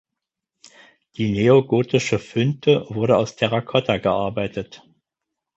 Die neogotische Fünte wurde aus Terrakotta gearbeitet.